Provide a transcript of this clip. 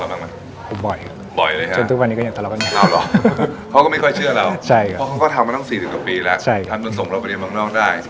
ทำจนทรงวันออกไปหญิงบางครอบครัวก็ได้